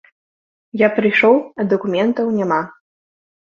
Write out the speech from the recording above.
Я прыйшоў, а дакументаў няма.